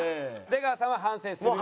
出川さんは反省する？